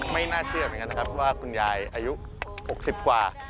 ไม่น่าเชื่อเหมือนกันนะครับว่าคุณยายอายุ๖๐กว่า